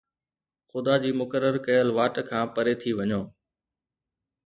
خدا جي مقرر ڪيل واٽ کان پري ٿي وڃو